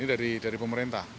ini dari pemerintah